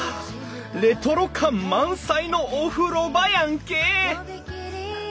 レトロ感満載のお風呂場やんけ！